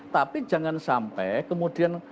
tapi jangan sampai kemudian